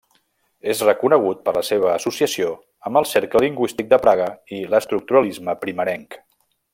És reconegut per la seva associació amb el Cercle Lingüístic de Praga i l'estructuralisme primerenc.